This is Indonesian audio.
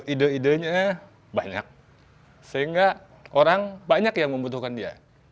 ide idenya banyak sehingga orang banyak yang membutuhkan dia